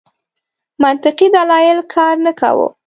منطقي دلایل کار نه کاوه.